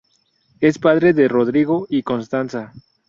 Es padre de Rodrigo y Constanza.